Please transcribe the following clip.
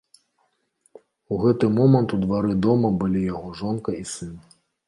У гэты момант у двары дома былі яго жонка і сын.